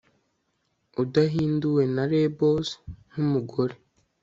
udahinduwe na labels nk'umugore